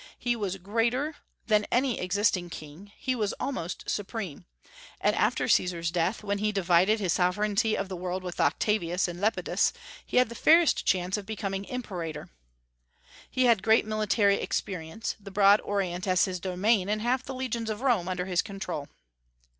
He was greater than any existing king; he was almost supreme. And after Caesar's death, when he divided his sovereignty of the world with Octavius and Lepidus, he had the fairest chance of becoming imperator. He had great military experience, the broad Orient as his domain, and half the legions of Rome under his control.